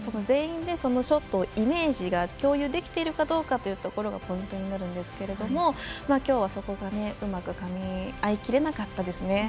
全員でそのショットのイメージが共有できているかっていうところがポイントになるんですけれどもきょうはそこにうまくかみ合いきれなかったです。